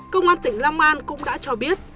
công an tỉnh long an cũng đã cho biết